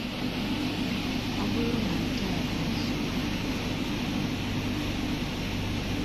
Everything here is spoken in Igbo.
Ọ bụrụ na nke a bụ eziokwu